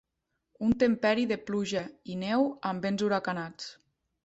Un temperi de pluja i neu amb vents huracanats.